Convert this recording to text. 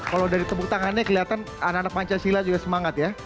kalau dari tepuk tangannya kelihatan anak anak pancasila juga semangat ya